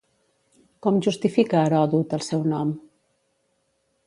Com justifica Heròdot el seu nom?